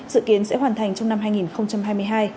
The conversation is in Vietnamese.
dự kiến sẽ hoàn thành trong năm hai nghìn hai mươi hai